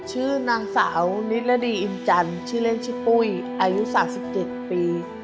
ชื่อนางสาวนิรดีอินจันทร์ชื่อเล่นชื่อปุ้ยอายุ๓๗ปี